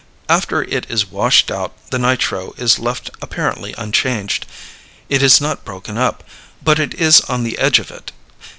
After it is washed out the nitro is left apparently unchanged. It is not broken up, but it is on the edge of it.